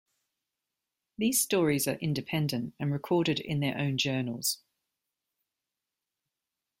These stories are independent and recorded in their own journals.